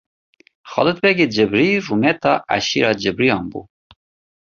Xalid begê cibrî rûmeta eşîra cibraniyan bû.